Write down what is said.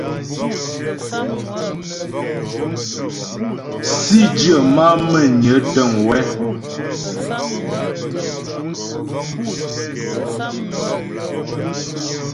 Sǐdyə má'a Mə́nyə təŋ wɛ́.